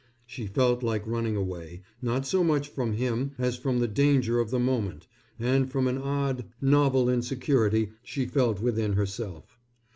She felt like running away, not so much from him as from the danger of the moment and from an odd, novel insecurity she felt within herself.